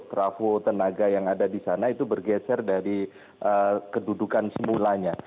trafo tenaga yang ada di sana itu bergeser dari kedudukan semulanya